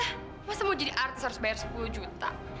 saya tidak mau jadi artis harus bayar sepuluh juta